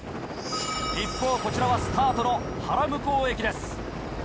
一方こちらはスタートの原向駅です。